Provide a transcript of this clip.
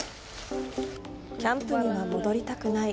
キャンプには戻りたくない。